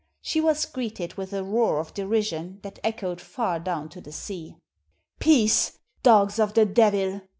She was greeted with a roar of derision that echoed far down to the sea. "Peace, dogs of the devil!"